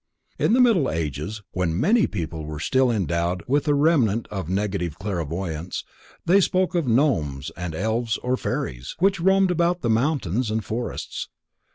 In the Middle Ages, when many people were still endowed with a remnant of negative clairvoyance, they spoke of Gnomes and Elves or Fairies, which roamed about the mountains and forests.